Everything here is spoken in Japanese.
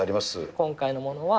今回のものは。